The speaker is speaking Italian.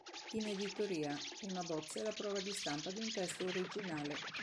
In editoria, una bozza è la prova di stampa di un testo originale.